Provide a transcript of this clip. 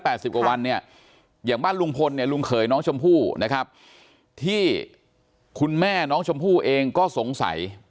กว่าวันเนี่ยอย่างบ้านลุงพลเนี่ยลุงเขยน้องชมพู่นะครับที่คุณแม่น้องชมพู่เองก็สงสัย